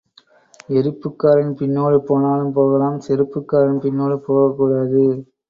எரிப்புக்காரன் பின்னோடு போனாலும் போகலாம் செருப்புக்காரன் பின்னோடு போகக் கூடாது.